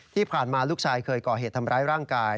ที่ผ่านมาลูกชายเคยก่อเหตุทำร้ายร่างกาย